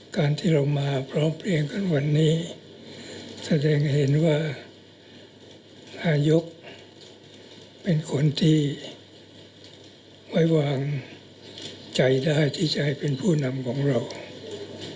การที่เรามาพร้อมเพลียงกันวันนี้แสดงให้เห็นว่านายกเป็นคนที่ไว้วางใจได้ที่จะให้เป็นผู้นำของเรา